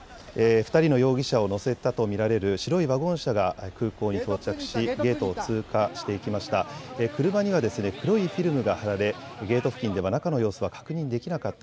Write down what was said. ２人の容疑者を乗せたと見られる白いワゴン車が空港に到着しゲートを通過していきました。